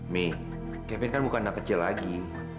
mei kevin kan bukan anak kecil lagi